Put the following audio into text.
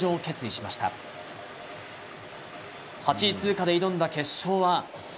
８位通過で挑んだ決勝は。